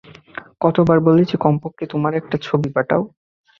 কতবার বলেছি কমপক্ষে, তোমার একটা ছবি পাঠাও।